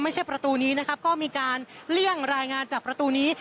ไม่ใช่ประตูนี้นะครับก็มีการเลี่ยงรายงานจากประตูนี้